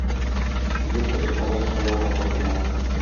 Бу кыз палас сугарга тотына.